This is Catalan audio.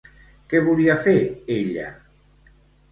Què volia fer, ella?